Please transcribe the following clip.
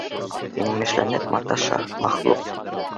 Еңмешләнеп маташа, мәхлүк!